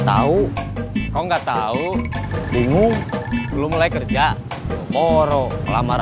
akang mesti kerja apa